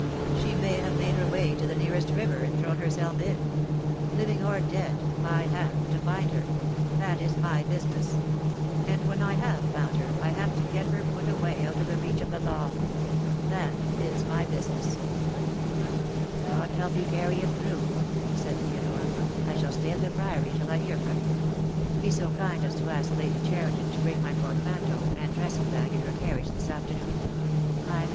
She may have made her way to the nearest river and thrown herself in. Living or dead, I have to find her. That i$ my business. And when I have found her I have to geVher put away out of the reach of the law. Tliat is my business." "God help you to carry it through," said Theodore. "I shall stay at the Priory till I hear from you. Be so kind as to ask Lady Cheriton to bring my portmanteau and dressing bag in her carriage this afternoon. I may THE DAY WILL COME.